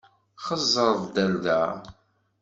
Xeẓẓeṛ-d ar da!